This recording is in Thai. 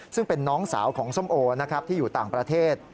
ซึ่งเป็นน้องสาวของส้มโอนะครับที่อยู่ต่างประเทศ